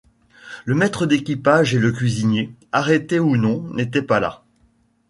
Le maître d’équipage et le cuisinier, arrêtés ou non, n’étaient pas là...